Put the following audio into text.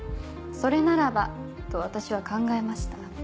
「それならば」と私は考えました。